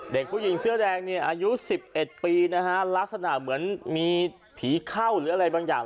เด็กผู้หญิงเสื้อแดงเนี่ยอายุ๑๑ปีนะฮะลักษณะเหมือนมีผีเข้าหรืออะไรบางอย่าง